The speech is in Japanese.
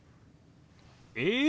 え？